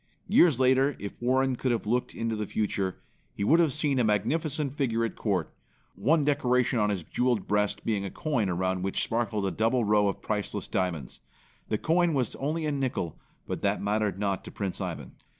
Years after, if Warren could have looked into the future, he would have seen a magnificent figure at court, one decoration on his jeweled breast being a coin around which sparkled a double row of priceless diamonds. The coin was only, a nickel but that mattered not to Prince Ivan.